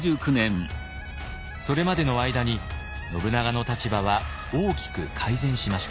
それまでの間に信長の立場は大きく改善しました。